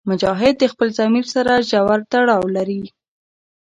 مجاهد د خپل ضمیر سره ژور تړاو لري.